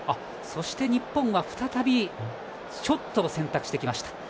そして、日本は再びショットを選択してきました。